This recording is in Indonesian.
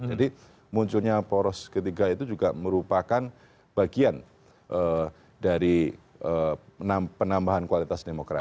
jadi munculnya poros ketiga itu juga merupakan bagian dari penambahan kualitas demokrasi